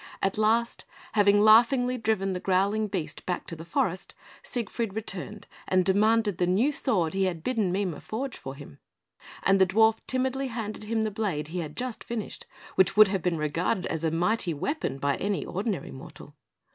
At last, having laughingly driven the growling beast back to the forest, Siegfried returned, and demanded the new sword he had bidden Mime forge for him; and the dwarf timidly handed him the blade he had just finished, which would have been regarded as a mighty weapon by any ordinary mortal.